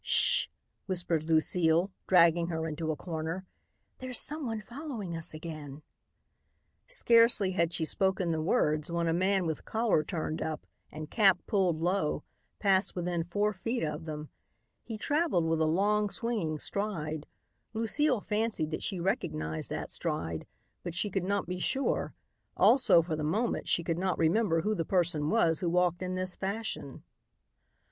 "Sh!" whispered Lucile, dragging her into a corner. "There's someone following us again." Scarcely had she spoken the words when a man with collar turned up and cap pulled low passed within four feet of them. He traveled with a long, swinging stride. Lucile fancied that she recognized that stride, but she could not be sure; also, for the moment she could not remember who the person was who walked in this fashion.